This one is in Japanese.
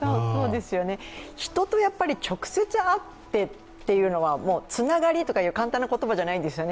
人と直接会ってというのはつながりとかって簡単なことじゃないんですよね